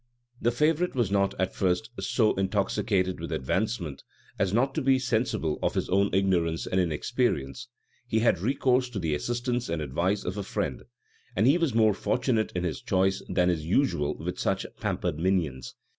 The favorite was not, at first, so intoxicated with advancement, as not to be sensible of his own ignorance and inexperience. He had recourse to the assistance and advice of a friend; and he was more fortunate in his choice than is usual with such pampered minions.